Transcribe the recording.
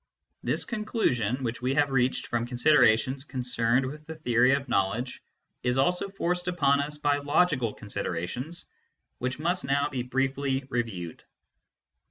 This conclusion, which we have reached from considerations concerned with the theory of knowledge, is also forced upon us by logical considerations, which must now be briefly re viewed.